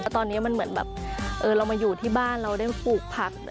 ตอนนี้มันเหมือนแบบเรามาอยู่ที่บ้านเราได้ปลูกผัก